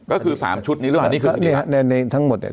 ก็คือสามชุดนี้หรือเปล่านี่คือเนี่ยฮะในในทั้งหมดเนี่ย